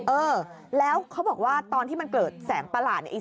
เออแล้วเขาบอกว่าตอนที่มันเกิดแสงประหลาดเนี่ย